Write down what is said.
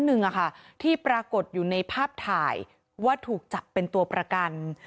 หนึ่งที่ปรากฏอยู่ในภาพถ่ายว่าถูกจับเป็นตัวประกัน